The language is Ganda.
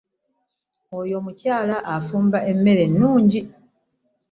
Oyo omukyala afumba emmere ennungi.